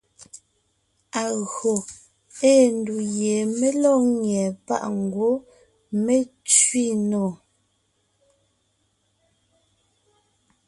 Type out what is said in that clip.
Agÿò ée ndù gie mé lɔ́g nyɛ́ páʼ ngwɔ́ mé tsẅi nò.